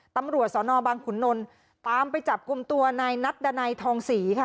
ตำรวจสนบังขุนนลตามไปจับกลุ่มตัวนายนัดดันัยทองศรีค่ะ